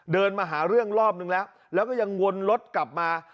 เดินมาหาเรื่องรอบนึงแล้วแล้วก็ยังวนรถกลับมา